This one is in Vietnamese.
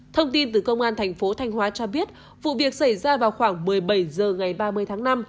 thông tin từ công an thành phố thanh hóa cho biết vụ việc xảy ra vào khoảng một mươi bảy h ngày ba mươi tháng năm